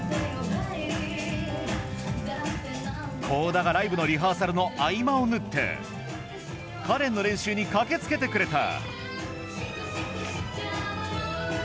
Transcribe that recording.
倖田がライブのリハーサルの合間を縫ってカレンの練習に駆け付けてくれた